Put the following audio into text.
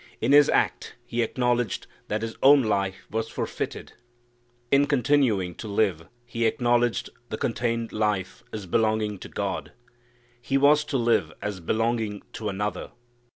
In his act he acknowledged that his own life was forfeited. In continuing to live he acknowledged the continued life as belonging to God. He was to live as belonging to another.